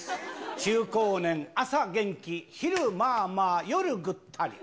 中高年、朝元気、昼まあまあ、夜ぐったり。